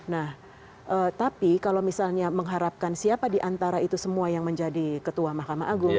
nah tapi kalau misalnya mengharapkan siapa diantara itu semua yang menjadi ketua mahkamah agung